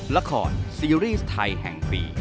ละครซีรีส์ไทยแห่งปี